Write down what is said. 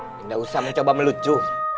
nggak usah mencoba melucu